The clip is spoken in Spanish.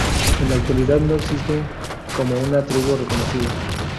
En la actualidad no existen como una tribu reconocida.